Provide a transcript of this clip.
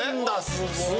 すごーい！